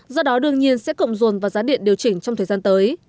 do đó đương nhiên sẽ cộng dồn vào giá điện điều chỉnh trong thời gian tới